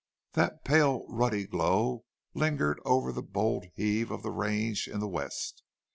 That pale, ruddy glow lingered over the bold heave of the range in the west.